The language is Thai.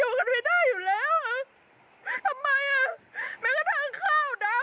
อยู่กันไม่ได้อยู่แล้วอ่ะทำไมอ่ะแม้ก็ทางข้าวน้ำอ่ะ